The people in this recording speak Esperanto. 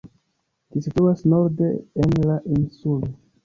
Ĝi situas norde en la insulo.